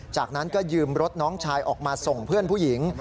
จากนั้นก็ยืมรถน้องชายออกมาส่งเพื่อนผู้หญิง